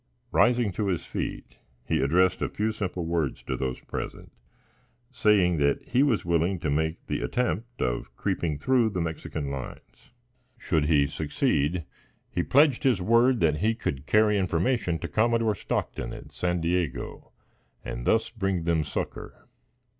Rising to his feet, he addressed a few simple words to those present, saying that he was willing to make the attempt of creeping through the Mexican lines. Should he succeed, he pledged his word that he could carry information to Commodore Stockton at San Diego, and thus bring them succor.